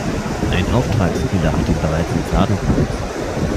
Ein Auftragskiller hat ihn bereits im Fadenkreuz.